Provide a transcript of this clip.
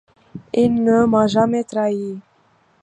Il ne m'a jamais trahi.